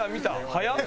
早っ！